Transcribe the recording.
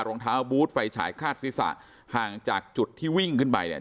รองเท้าบูธไฟฉายฆาตศิษย์ห่างจากจุดที่วิ่งขึ้นไป